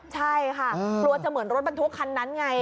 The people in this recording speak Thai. ใช่ค่ะกลัวจะเหมือนรถบรรทุกคันนั้นไง